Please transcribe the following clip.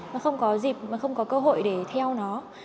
nó không có dịp mà không có cơ hội để theo nó